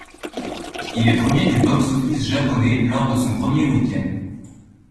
Il est premier du box-office japonais lors de son premier week-end.